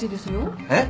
えっ？